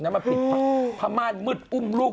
แล้วมันผิดพระม่านมึดอุ้มลูก